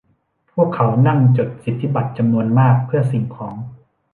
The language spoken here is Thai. พวกเขานั่งจดสิทธิบัตรจำนวนมากเพื่อสิ่งของ